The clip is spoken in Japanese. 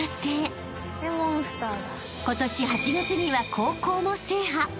［今年８月には高校も制覇］